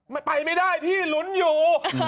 แต่ไปไม่ได้พี่หลุนอยู่